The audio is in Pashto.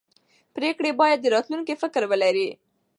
پرېکړې باید د راتلونکي فکر ولري